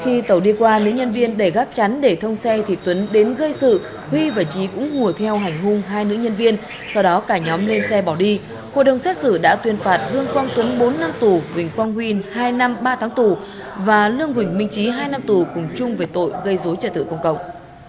về vụ việc nhân viên gác chắn đường sắt bị hành hung tòa ninh dân huỳnh quang huy và lương huỳnh minh trí cùng chú quận thanh khê về hành vi gây dối trợ tử công cộng